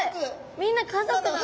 みんな家族なの？